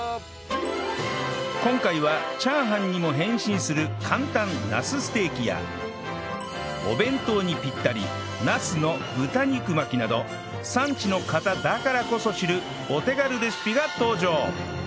今回はチャーハンにも変身する簡単なすステーキやお弁当にピッタリなすの豚肉巻きなど産地の方だからこそ知るお手軽レシピが登場！